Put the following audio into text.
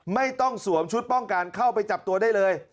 ไม่ต้องสวมชุดป้องการเข้าไปจับตัวได้เลย